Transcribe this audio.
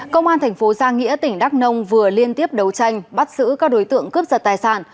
công an thành phố giang nghĩa tỉnh đắk nông vừa liên tiếp đấu tranh bắt giữ các đối tượng cướp giật tài sản